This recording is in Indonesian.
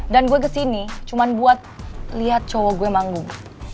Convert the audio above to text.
dan gue kesini cuma buat lihat cowok gue manggung